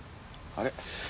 あれ？